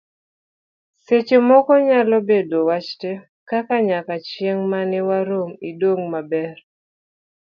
seche moko nyalo bedo wach te, kaka; nyaka chieng' mane warom, idong' maber